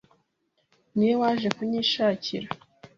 Ni we waje kunyishakira